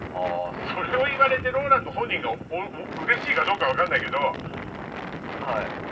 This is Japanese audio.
それを言われてＲＯＬＡＮＤ本人がうれしいかどうか分かんないけど。